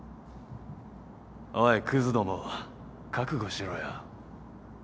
おいクズども覚悟しろよ。